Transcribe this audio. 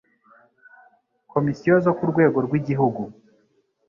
Komisiyo zo ku rwego rw igihugu